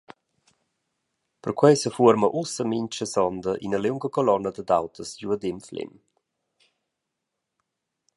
Perquei sefuorma ussa mintga sonda ina liunga colonna dad autos giudem Flem.